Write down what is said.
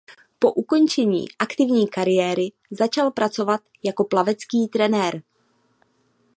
Po ukončení aktivní kariéry začal pracovat jako plavecký trenér.